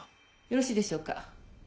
よろしいでしょうか？